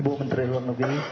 ibu menteri luar negeri